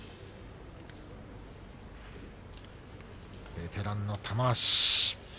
ベテランの玉鷲。